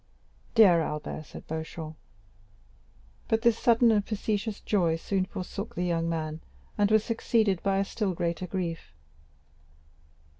"Dear Albert," said Beauchamp. But this sudden and factitious joy soon forsook the young man, and was succeeded by a still greater grief.